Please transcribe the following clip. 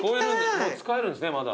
使えるんですねまだ。